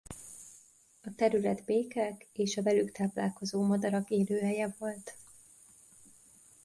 A terület békák és a velük táplálkozó madarak élőhelye volt.